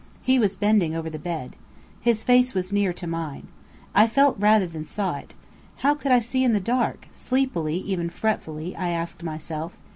He was bending over the bed. His face was near to mine. I felt rather than saw it. "How could I see in the dark?" sleepily, even fretfully, I asked myself.